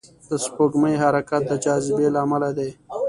د سپوږمۍ حرکت د جاذبې له امله دی.